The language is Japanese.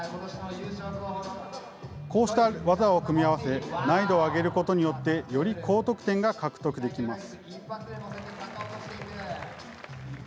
こうした技を組み合わせ、難易度を上げることによって、より高得点が獲得できます。